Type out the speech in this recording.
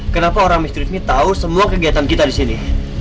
kenapa orang mistri ini tahu semua kegiatan kita disini